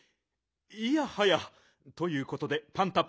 いやはやということでパンタ。